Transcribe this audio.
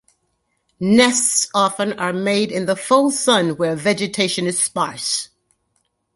Nests often are made in the full sun where vegetation is sparse.